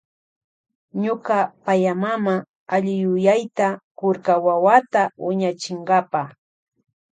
Ñuka payamama alliyuyayta kurka wawata wiñachinkapa.